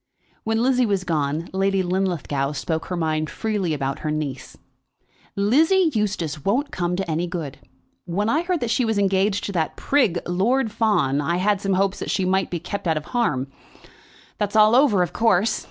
When Lizzie was gone, Lady Linlithgow spoke her mind freely about her niece. "Lizzie Eustace won't come to any good. When I heard that she was engaged to that prig, Lord Fawn, I had some hopes that she might be kept out of harm. That's all over, of course.